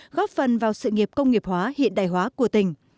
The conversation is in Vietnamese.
góp phần vào sự nghiệp công nghiệp hóa hiện đại hóa của tỉnh